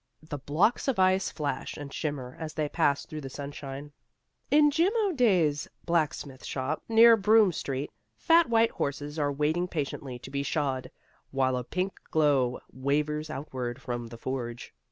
The blocks of ice flash and shimmer as they pass through the sunshine. In Jim O'Dea's blacksmith shop, near Broome Street, fat white horses are waiting patiently to be shod, while a pink glow wavers outward from the forge.